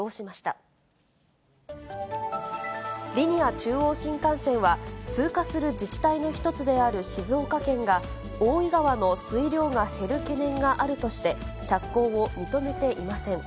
中央新幹線は、通過する自治体の一つである静岡県が、大井川の水量が減る懸念があるとして、着工を認めていません。